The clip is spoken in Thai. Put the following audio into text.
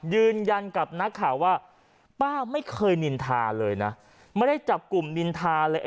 ยืนยันกับนักข่าวว่าป้าไม่เคยนินทาเลยนะไม่ได้จับกลุ่มนินทาเลย